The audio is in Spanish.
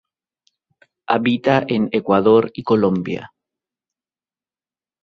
Habita en Ecuador y Colombia.